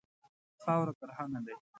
خاوره کرهڼه لري.